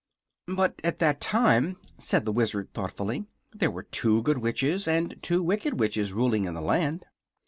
"But, at that time," said the Wizard, thoughtfully, "there were two Good Witches and two Wicked Witches ruling in the land."